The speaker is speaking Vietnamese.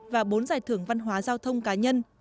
và bốn giải thưởng văn hóa giao thông cá nhân